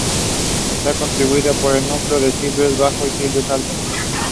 Its wall is made of marbles and filled with tinted glass brought from Turkey.